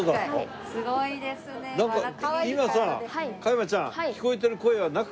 今さ加山ちゃん聞こえてる声は。